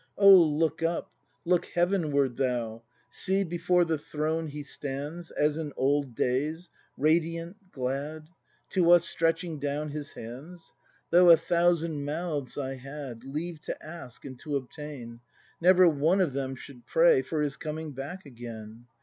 Oh, look up, look heavenward, thou! See, before the throne he stands — As in old days — radiant, glad, To us stretching down his hands! Though a thousand mouths I had, Leave to ask, and to obtain. Never one of them should pray For his coming back again.